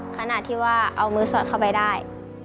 ขณะที่ว่าเอามือสอดเข้าไปได้